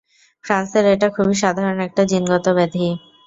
ফ্রান্সের এটা খুবই সাধারণ একটা জিনগত ব্যাধি।